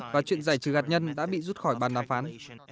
và chuyện giải trừ hạt nhân đã bị rút khỏi bàn đàm phán